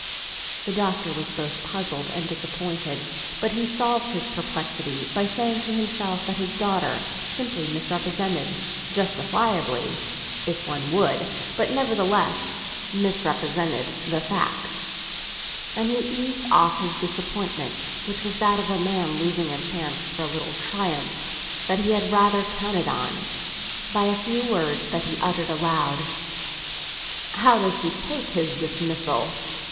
The Doctor was both puzzled and disappointed, but he solved his perplexity by saying to himself that his daughter simply misrepresented—justifiably, if one would? but nevertheless misrepresented—the facts; and he eased off his disappointment, which was that of a man losing a chance for a little triumph that he had rather counted on, by a few words that he uttered aloud. "How does he take his dismissal?"